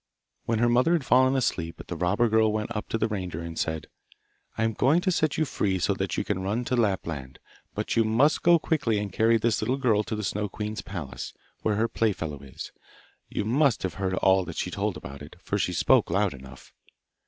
When her mother had fallen asleep, the robber girl went up to the reindeer and said, 'I am going to set you free so that you can run to Lapland. But you must go quickly and carry this little girl to the Snow queen's palace, where her playfellow is. You must have heard all that she told about it, for she spoke loud enough!